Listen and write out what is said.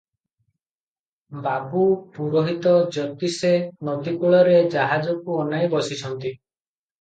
ବାବୁ, ପୁରୋହିତ, ଜ୍ୟୋତିଷେ ନଦୀକୂଳରେ ଜାହାଜକୁ ଅନାଇ ବସିଛନ୍ତି ।